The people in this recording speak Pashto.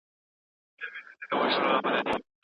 ګاونډیانو په پوره اخلاص سره خاورې غورځولې.